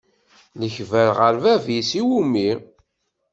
Lekber ɣef bab-is, iwumi?